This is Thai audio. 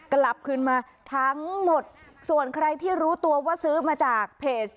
กลับคืนมาทั้งหมดส่วนใครที่รู้ตัวว่าซื้อมาจากเพจ